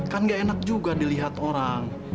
kan gak enak juga dilihat orang